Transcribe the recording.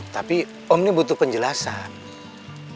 tapi om ini butuh penjelasan